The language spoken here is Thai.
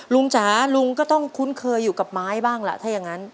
จ๋าลุงก็ต้องคุ้นเคยอยู่กับไม้บ้างล่ะถ้าอย่างนั้น